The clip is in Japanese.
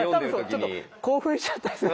ちょっと興奮しちゃったり。